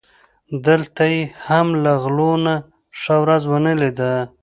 دلته یې هم له غلو نه ښه ورځ و نه لیده.